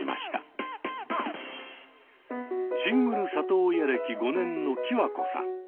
シングル里親歴５年のキワコさん。